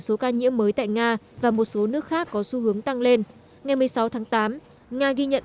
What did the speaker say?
số ca nhiễm mới tại nga và một số nước khác có xu hướng tăng lên ngày một mươi sáu tháng tám nga ghi nhận